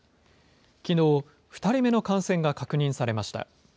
きのう、２人目の感染が確認されました。